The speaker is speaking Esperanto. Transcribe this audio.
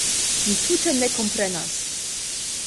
Mi tute ne komprenas!